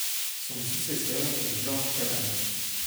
Son successeur est Georges Cabana.